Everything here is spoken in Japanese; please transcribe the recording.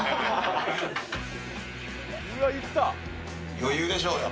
余裕でしょうよ